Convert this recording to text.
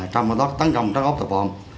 trong tấn công trắng ốc tại phòng